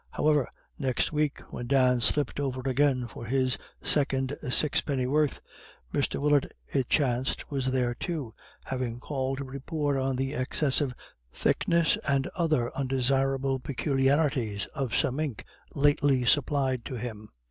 However next week when Dan slipped over again for his second sixpenn'orth, Mr. Willett it chanced was there too, having called to report on the excessive thickness and other undesirable peculiarities of some ink lately supplied to him.